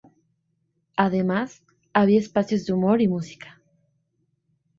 Además, había espacios de humor y música.